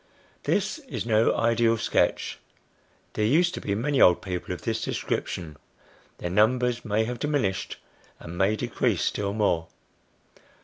This is no ideal sketch. There used to be many old people of this description; their numbers may have diminished, and may decrease still more.